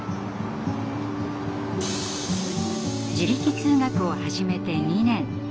自力通学を始めて２年。